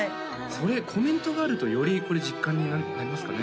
それコメントがあるとよりこれ実感になりますかね？